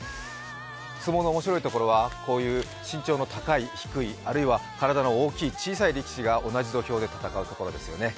相撲の面白いところは身長の高い、低い、あるいは体の大きい、小さい力士が同じ土俵で戦うところですね。